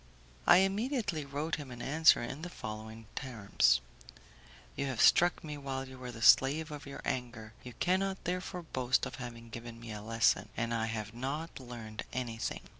I immediately wrote him an answer in the following terms: "You have struck me while you were the slave of your anger; you cannot therefore boast of having given me a lesson, and I have not learned anything.